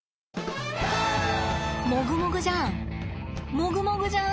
もぐもぐじゃん。